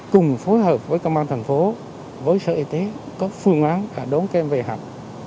cùng phối hợp với công an thành phố với sở y tế có phương án đón các em về học